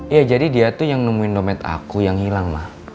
ya jadi dia tuh yang nemuin dompet aku yang hilang lah